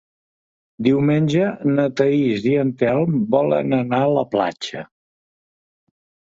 Diumenge na Thaís i en Telm volen anar a la platja.